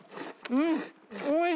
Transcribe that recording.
うん！